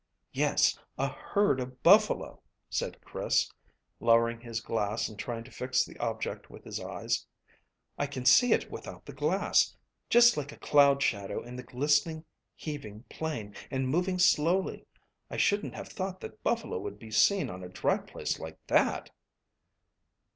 "Yes: a herd of buffalo," said Chris, lowering his glass and trying to fix the object with his eyes. "I can see it without the glass. Just like a cloud shadow in the glistening, heaving plain, and moving slowly. I shouldn't have thought that buffalo would be seen on a dry place like that."